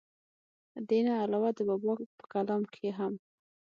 دې نه علاوه د بابا پۀ کلام کښې هم